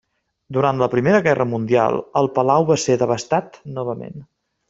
Durant la Primera Guerra Mundial el palau va ser devastat novament.